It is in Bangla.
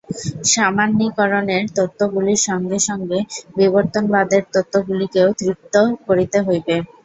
সামান্যীকরণের তত্ত্বগুলির সঙ্গে সঙ্গে বিবর্তনবাদের তত্ত্বগুলিকেও তৃপ্ত করিতে হইবে।